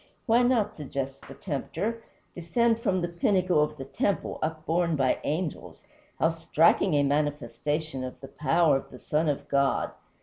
"Why not," suggests the tempter, "descend from the pinnacle of the temple upborne by angels? How striking a manifestation of the power of the Son of God!"